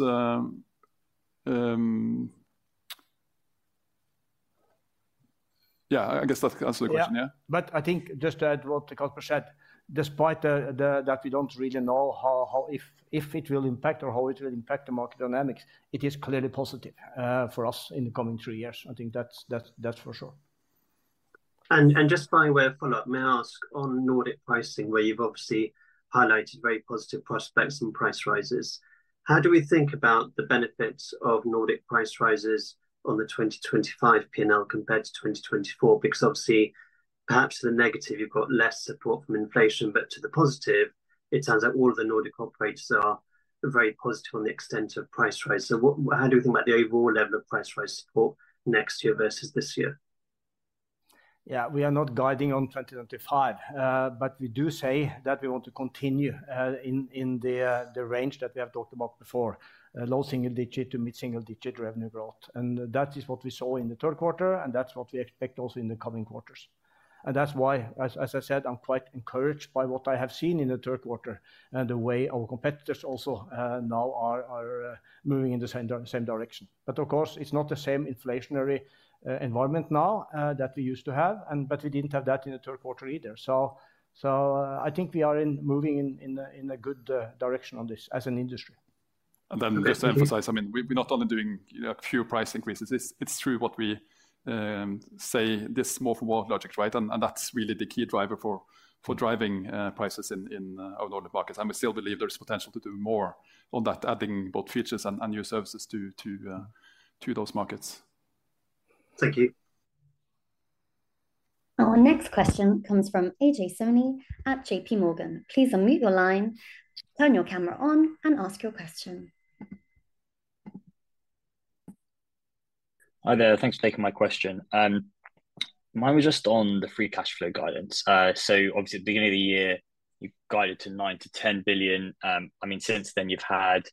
yeah, I guess that answers the question, yeah? Yeah, but I think just to add what Kasper said, despite that we don't really know if it will impact or how it will impact the market dynamics, it is clearly positive for us in the coming three years. I think that's for sure. And just following where Fuller may ask on Nordic pricing, where you've obviously highlighted very positive prospects and price rises, how do we think about the benefits of Nordic price rises on the 2025 P&L compared to 2024? Because obviously, perhaps to the negative, you've got less support from inflation, but to the positive, it sounds like all of the Nordic operators are very positive on the extent of price rise. So how do we think about the overall level of price rise support next year versus this year? Yeah, we are not guiding on 2025, but we do say that we want to continue in the range that we have talked about before, low single-digit to mid-single-digit revenue growth. And that is what we saw in the third quarter, and that's what we expect also in the coming quarters. And that's why, as I said, I'm quite encouraged by what I have seen in the third quarter and the way our competitors also now are moving in the same direction. But of course, it's not the same inflationary environment now that we used to have, but we didn't have that in the third quarter either. So I think we are moving in a good direction on this as an industry. And then just to emphasize, I mean, we're not only doing pure price increases. It's true what we say, this more for more logic, right? And that's really the key driver for driving prices in our Nordic markets. And we still believe there's potential to do more on that, adding both features and new services to those markets. Thank you. Our next question comes from Aditya Soni at JP Morgan. Please unmute your line, turn your camera on, and ask your question. Hi there. Thanks for taking my question. Mine was just on the free cash flow guidance. So obviously, at the beginning of the year, you guided to 9 billion-10 billion. I mean, since then, you've had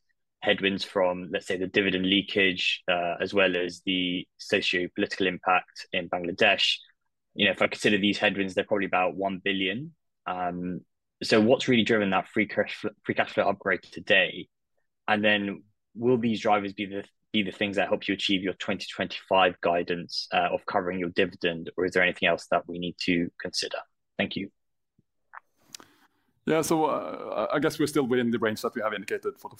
headwinds from, let's say, the dividend leakage as well as the sociopolitical impact in Bangladesh. You know, if I consider these headwinds, they're probably about 1 billion. So what's really driven that free cash flow upgrade today? And then will these drivers be the things that help you achieve your 2025 guidance of covering your dividend, or is there anything else that we need to consider? Thank you. Yeah, so I guess we're still within the range that we have indicated for the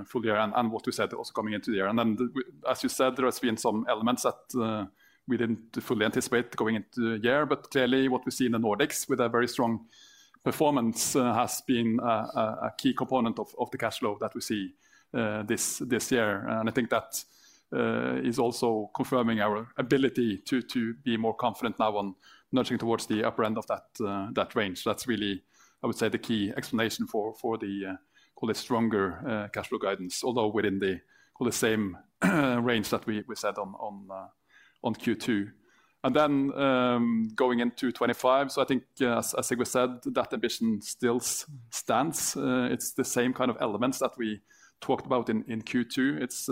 full year and what we said also coming into the year. And then, as you said, there has been some elements that we didn't fully anticipate going into the year. But clearly, what we see in the Nordics with a very strong performance has been a key component of the cash flow that we see this year. And I think that is also confirming our ability to be more confident now on nudging towards the upper end of that range. That's really, I would say, the key explanation for the stronger cash flow guidance, although within the same range that we said on Q2. And then going into 2025, so I think, as Sigve said, that ambition still stands. It's the same kind of elements that we talked about in Q2. It's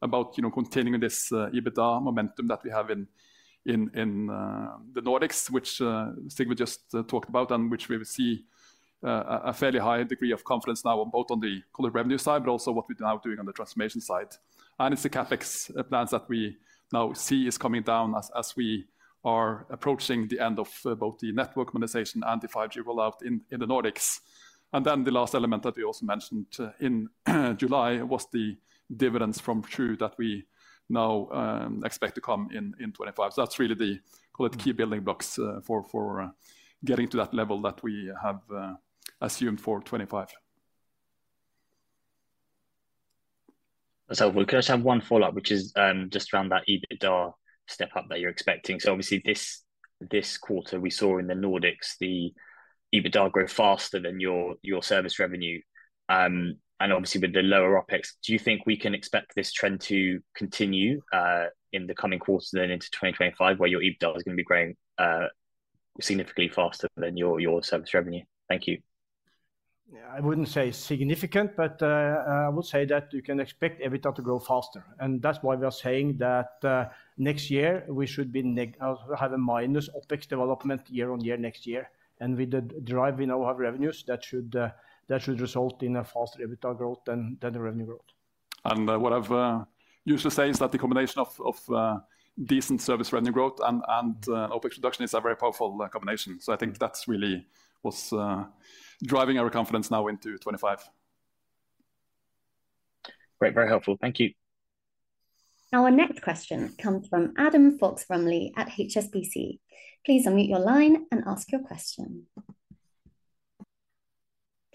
about containing this EBITDA momentum that we have in the Nordics, which Sigve just talked about and which we see a fairly high degree of confidence now on both on the revenue side, but also what we're now doing on the transformation side. It's the CapEx plans that we now see is coming down as we are approaching the end of both the network monetization and the 5G rollout in the Nordics. Then the last element that we also mentioned in July was the dividends from True that we now expect to come in 2025. That's really the key building blocks for getting to that level that we have assumed for 2025. We'll just have one follow-up, which is just around that EBITDA step up that you're expecting. Obviously, this quarter, we saw in the Nordics, the EBITDA grow faster than your service revenue. Obviously, with the lower OPEX, do you think we can expect this trend to continue in the coming quarter then into 2025, where your EBITDA is going to be growing significantly faster than your service revenue? Thank you. Yeah, I wouldn't say significant, but I would say that you can expect EBITDA to grow faster. And that's why we are saying that next year, we should have a minus OPEX development year on year next year. And with the drive we now have revenues, that should result in a faster EBITDA growth than the revenue growth. And what I've used to say is that the combination of decent service revenue growth and OPEX reduction is a very powerful combination. So I think that's really what's driving our confidence now into 2025. Great. Very helpful. Thank you. Our next question comes from Adam Fox-Rumley at HSBC. Please unmute your line and ask your question.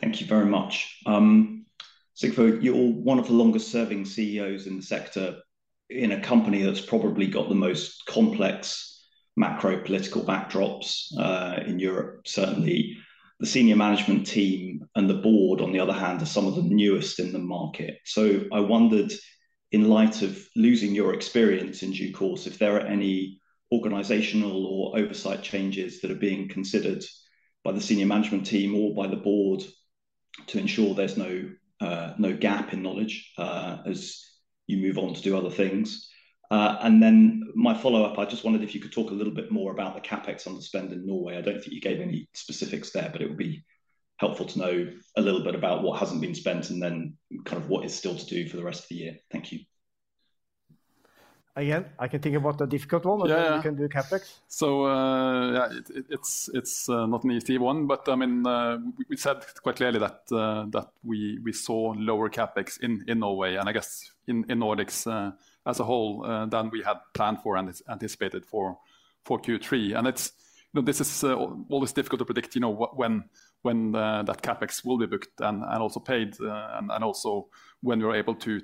Thank you very much. Sigve, you're one of the longest-serving CEOs in the sector in a company that's probably got the most complex macro-political backdrops in Europe. Certainly, the senior management team and the board, on the other hand, are some of the newest in the market. So I wondered, in light of losing your experience in due course, if there are any organizational or oversight changes that are being considered by the senior management team or by the board to ensure there's no gap in knowledge as you move on to do other things. And then my follow-up, I just wondered if you could talk a little bit more about the CapEx underspend in Norway. I don't think you gave any specifics there, but it would be helpful to know a little bit about what hasn't been spent and then kind of what is still to do for the rest of the year. Thank you. Again, I can think about a difficult one. Yeah. Or you can do CapEx. So yeah, it's not an easy one, but I mean, we said quite clearly that we saw lower CapEx in Norway and I guess in Nordics as a whole than we had planned for and anticipated for Q3. And this is always difficult to predict when that CapEx will be booked and also paid and also when we're able to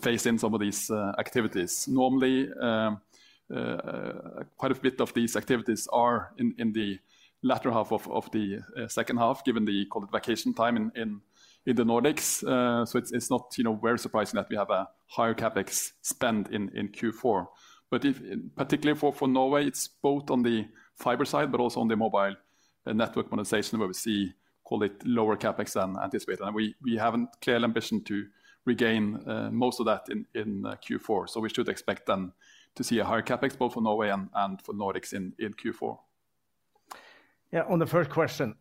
phase in some of these activities. Normally, quite a bit of these activities are in the latter half of the second half, given the vacation time in the Nordics. So it's not very surprising that we have a higher CapEx spend in Q4. But particularly for Norway, it's both on the fiber side, but also on the mobile network monetization, where we see lower CapEx than anticipated. And we have a clear ambition to regain most of that in Q4. So we should expect then to see a higher CapEx, both for Norway and for Nordics in Q4. Yeah, on the first question,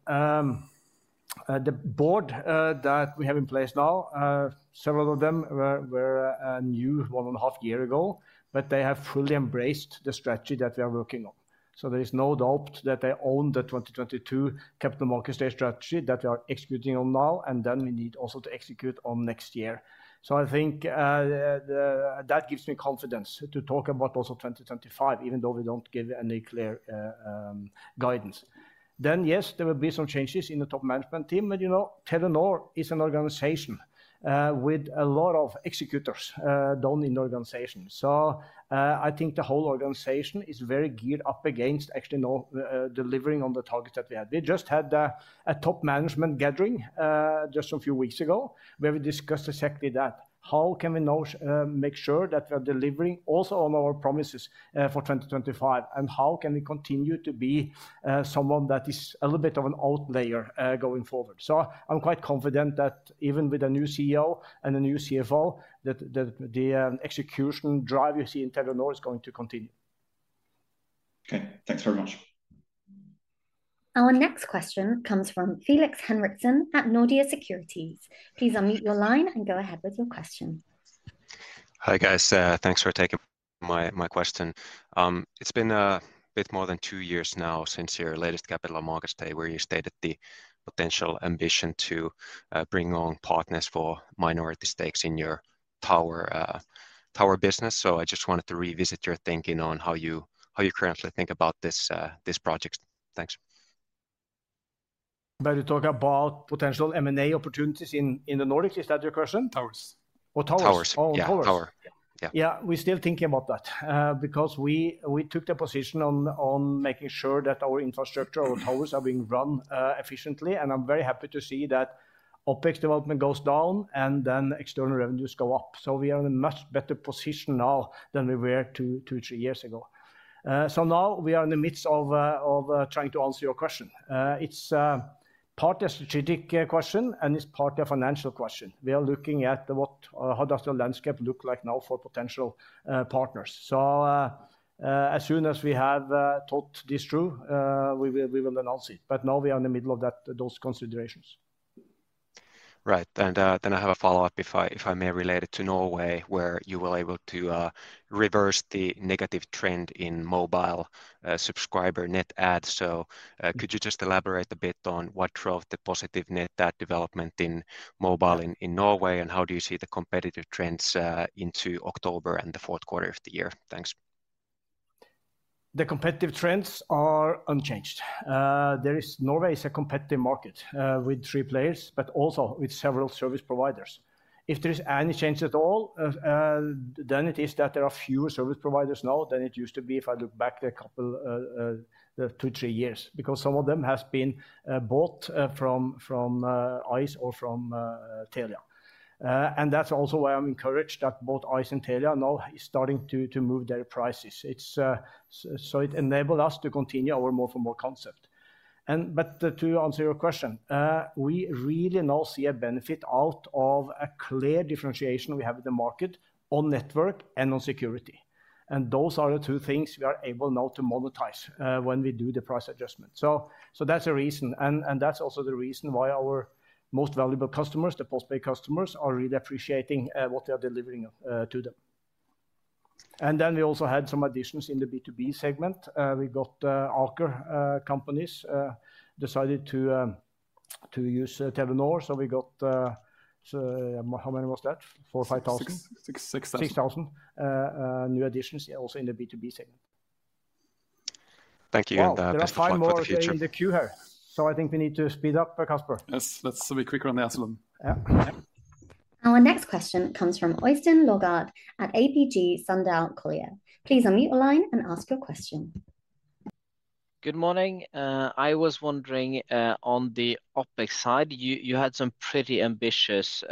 the board that we have in place now, several of them were new one and a half years ago, but they have fully embraced the strategy that we are working on. So there is no doubt that they own the 2022 Capital Markets Day strategy that we are executing on now, and then we need also to execute on next year. So I think that gives me confidence to talk about also 2025, even though we don't give any clear guidance. Then yes, there will be some changes in the top management team, but Telenor is an organization with a lot of executors done in the organization. So I think the whole organization is very geared up against actually delivering on the targets that we had. We just had a top management gathering just a few weeks ago, where we discussed exactly that. How can we make sure that we are delivering also on our promises for 2025, and how can we continue to be someone that is a little bit of an outlier going forward? So I'm quite confident that even with a new CEO and a new CFO, that the execution drive you see in Telenor is going to continue. Okay, thanks very much. Our next question comes from Felix Henriksson at Nordea Securities. Please unmute your line and go ahead with your question. Hi guys, thanks for taking my question. It's been a bit more than two years now since your latest Capital Markets Day, where you stated the potential ambition to bring on partners for minority stakes in your tower business. So I just wanted to revisit your thinking on how you currently think about this project. Thanks. Did you talk about potential M&A opportunities in the Nordics? Is that your question? Towers. Oh, towers. Yeah, we're still thinking about that because we took the position on making sure that our infrastructure, our towers, are being run efficiently. And I'm very happy to see that OPEX development goes down and then external revenues go up. So we are in a much better position now than we were two or three years ago. So now we are in the midst of trying to answer your question. It's partly a strategic question and it's partly a financial question. We are looking at what does the landscape look like now for potential partners. So as soon as we have thought this through, we will announce it. But now we are in the middle of those considerations. Right. And then I have a follow-up, if I may, related to Norway, where you were able to reverse the negative trend in mobile subscriber net adds. So could you just elaborate a bit on what drove the positive net add development in mobile in Norway, and how do you see the competitive trends into October and the fourth quarter of the year? Thanks. The competitive trends are unchanged. Norway is a competitive market with three players, but also with several service providers. If there is any change at all, then it is that there are fewer service providers now than it used to be if I look back a couple of two, three years, because some of them have been bought from ICE or from Telia. And that's also why I'm encouraged that both ICE and Telia now are starting to move their prices. So it enabled us to continue our more for more concept. But to answer your question, we really now see a benefit out of a clear differentiation we have in the market on network and on security. And those are the two things we are able now to monetize when we do the price adjustment. So that's a reason. And that's also the reason why our most valuable customers, the postpaid customers, are really appreciating what we are delivering to them. And then we also had some additions in the B2B segment. We got our companies decided to use Telenor. So we got how many was that? Four or five thousand? Six thousand. Six thousand. New additions also in the B2B segment. Thank you. There are five more in the queue here. So I think we need to speed up, Kasper. Yes, let's be quicker on the answer then. Yeah. Our next question comes from Øystein Lodgaard at ABG Sundal Collier. Please unmute your line and ask your question. Good morning. I was wondering on the OPEX side, you had some pretty ambitious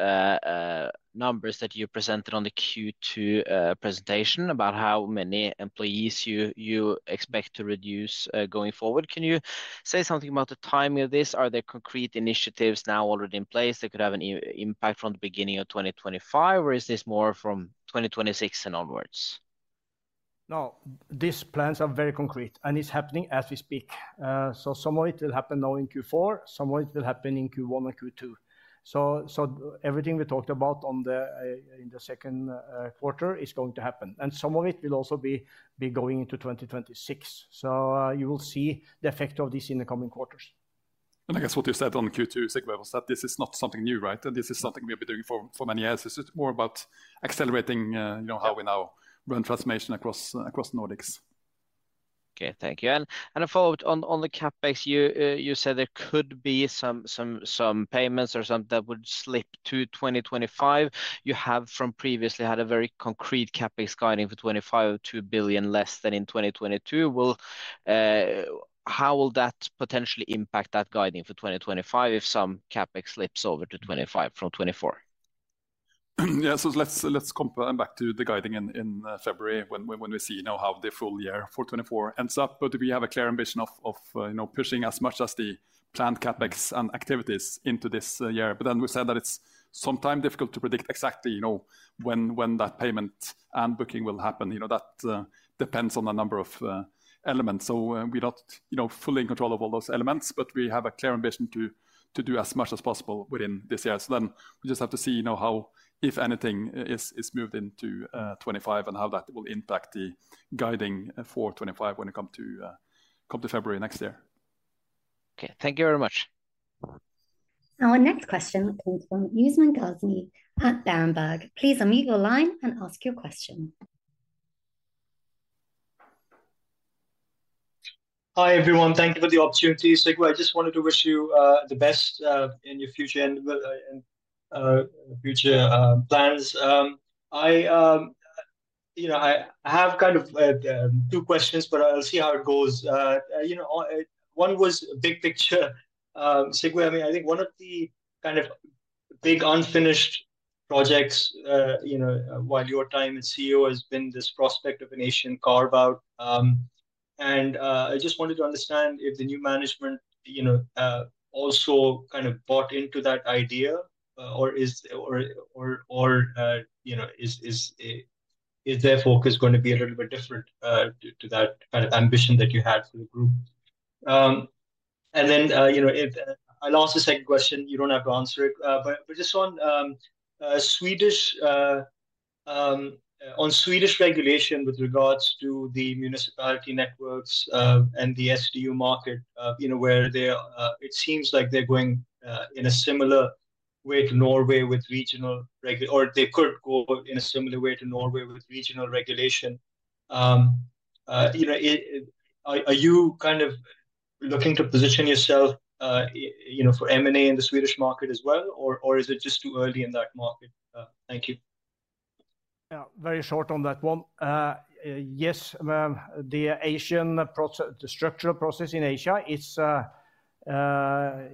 numbers that you presented on the Q2 presentation about how many employees you expect to reduce going forward. Can you say something about the timing of this? Are there concrete initiatives now already in place that could have an impact from the beginning of 2025, or is this more from 2026 and onwards? No, these plans are very concrete, and it's happening as we speak. So some of it will happen now in Q4. Some of it will happen in Q1 and Q2. So everything we talked about in the second quarter is going to happen. Some of it will also be going into 2026. You will see the effect of this in the coming quarters. I guess what you said on Q2, Sigve, was that this is not something new, right? This is something we have been doing for many years. This is more about accelerating how we now run transformation across Nordics. Okay, thank you. A follow-up on the CapEx, you said there could be some payments or something that would slip to 2025. You have from previously had a very concrete CapEx guidance for 2025, 2 billion less than in 2022. How will that potentially impact that guidance for 2025 if some CapEx slips over to 2025 from 2024? Yeah, let's compare them back to the guidance in February when we see how the full year for 2024 ends up. But we have a clear ambition of pushing as much as the planned CapEx and activities into this year. But then we said that it's sometimes difficult to predict exactly when that payment and booking will happen. That depends on a number of elements. So we're not fully in control of all those elements, but we have a clear ambition to do as much as possible within this year. So then we just have to see how, if anything, is moved into 2025 and how that will impact the guidance for 2025 when it comes to February next year. Okay, thank you very much. Our next question comes from Usman Ghazi at Berenberg. Please unmute your line and ask your question. Hi everyone, thank you for the opportunity. Sigve, I just wanted to wish you the best in your future and future plans. I have kind of two questions, but I'll see how it goes. One was big picture. Sigve, I mean, I think one of the kind of big unfinished projects while your time as CEO has been this prospect of an Asian carve-out. And I just wanted to understand if the new management also kind of bought into that idea, or is their focus going to be a little bit different to that kind of ambition that you had for the group? And then I'll ask the second question. You don't have to answer it. But just on Swedish regulation with regards to the municipality networks and the SDU market, where it seems like they're going in a similar way to Norway with regional, or they could go in a similar way to Norway with regional regulation. Are you kind of looking to position yourself for M&A in the Swedish market as well, or is it just too early in that market? Thank you. Very short on that one. Yes, the Asian structural process in Asia,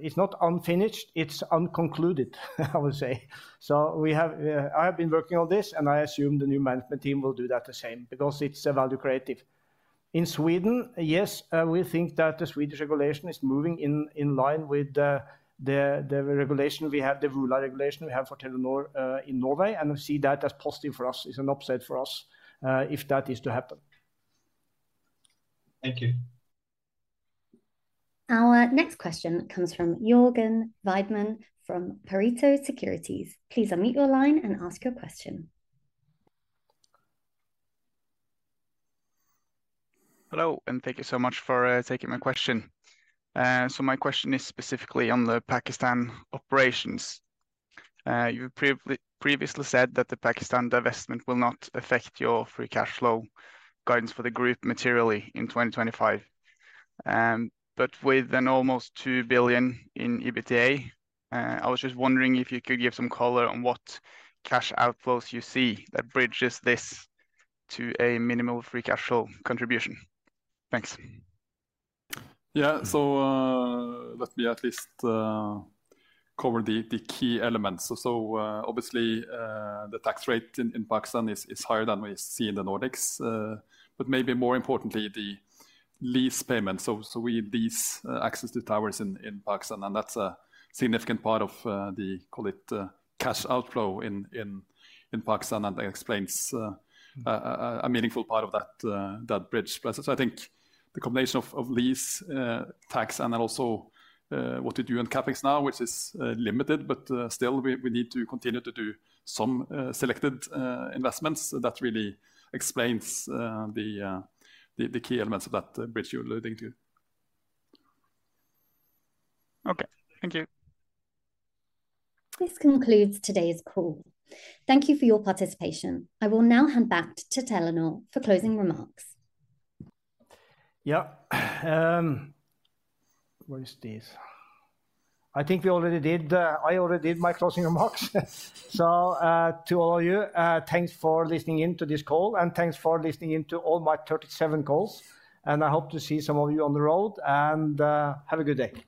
it's not unfinished. It's unconcluded, I would say. So I have been working on this, and I assume the new management team will do that the same because it's a value creative. In Sweden, yes, we think that the Swedish regulation is moving in line with the regulation we have, the rural regulation we have for Telenor in Norway. We see that as positive for us. It's an upside for us if that is to happen. Thank you. Our next question comes from Jørgen Weidemann from Pareto Securities. Please unmute your line and ask your question. Hello, and thank you so much for taking my question. So my question is specifically on the Pakistan operations. You previously said that the Pakistan divestment will not affect your free cash flow guidance for the group materially in 2025. But with an almost 2 billion in EBITDA, I was just wondering if you could give some color on what cash outflows you see that bridges this to a minimal free cash flow contribution. Thanks. Yeah, so let me at least cover the key elements. So obviously, the tax rate in Pakistan is higher than we see in the Nordics. But maybe more importantly, the lease payment. So we lease access to towers in Pakistan, and that's a significant part of the, call it, cash outflow in Pakistan, and that explains a meaningful part of that bridge. So I think the combination of lease tax and then also what you do in CapEx now, which is limited, but still we need to continue to do some selected investments. That really explains the key elements of that bridge you're alluding to. Okay, thank you. This concludes today's call. Thank you for your participation. I will now hand back to Telenor for closing remarks. Yeah, where is this? I think we already did. I already did my closing remarks. So to all of you, thanks for listening in to this call, and thanks for listening in to all my 37 calls. And I hope to see some of you on the road, and have a good day.